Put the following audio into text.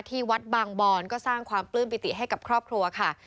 ที่วัดบางบอนก็สร้างความปลื้มปิติให้กับครอบครัวค่ะ